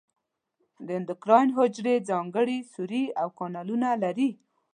د اندوکراین حجرې ځانګړي سوري او کانالونه نه لري.